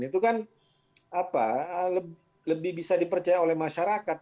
itu kan lebih bisa dipercaya oleh masyarakat